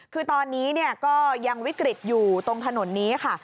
คือตอนนี้ก็ยังวิกฤตอยู่ตรงถนนนี้ค่ะ